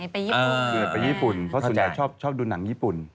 ไปญี่ปุ่นเพราะส่วนใหญ่ชอบดูหนังญี่ปุ่น